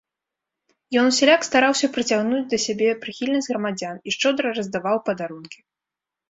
Ён усяляк стараўся прыцягнуць да сябе прыхільнасць грамадзян і шчодра раздаваў падарункі.